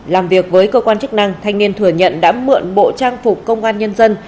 làm việc với cơ quan chức năng thanh niên thừa nhận đã mượn bộ trang phục công an nhân dân